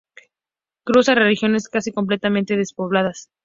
Cruza regiones casi completamente despobladas.